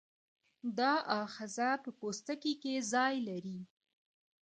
دا آخذه په پوستکي کې ځای لري.